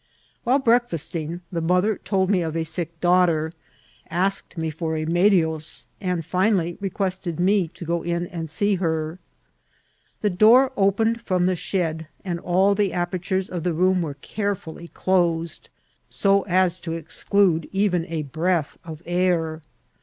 While breakfasting, the mother told me of a sick daug^t^, asked me for remedies, and finally requested me to go in and see her* The door opened from the shed, and all the apertures in the room were carefully closed, so as to exclude even a breath of air.